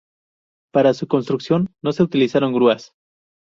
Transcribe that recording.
Para su construcción no se utilizaron grúas.